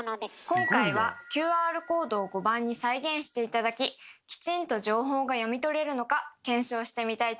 今回はＱＲコードを碁盤に再現して頂ききちんと情報が読み取れるのか検証してみたいと思います。